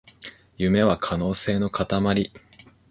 夢は可能性のかたまり